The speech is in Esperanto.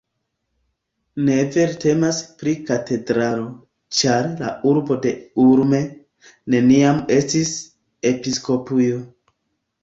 Ne vere temas pri katedralo, ĉar la urbo de Ulm, neniam estis episkopujo.